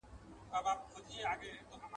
د دې کاروبار واګي